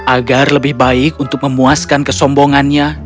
agar lebih baik untuk memuaskan kesombongannya